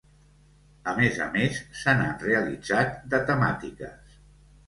A més a més, se n'han realitzat de temàtiques.